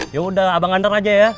yaudah abang antar aja ya